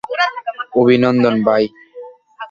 অভিনন্দন, ভাই।